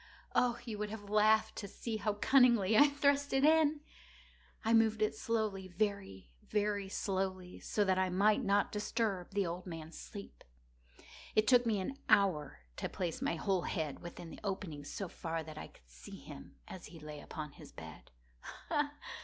Oh, you would have laughed to see how cunningly I thrust it in! I moved it slowly—very, very slowly, so that I might not disturb the old man's sleep. It took me an hour to place my whole head within the opening so far that I could see him as he lay upon his bed.